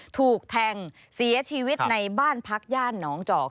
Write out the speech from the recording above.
ถูกแทงเสียชีวิตในบ้านพักย่านหนองจอก